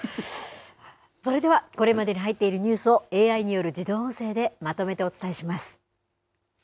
それではこれまでに入っているニュースを、ＡＩによる自動音声でまとめてお伝えします。